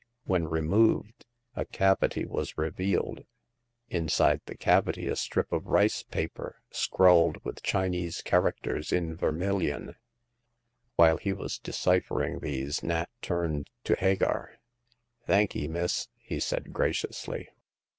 When removed, a cavity was revealed ; inside the cavity a strip of rice paper, scrawled with Chinese characters in vertxulvotv. 100 Hagar of the Pawn Shop. While he was deciphering these, Nat turned to Hagar. Thankee, miss," he said, graciously.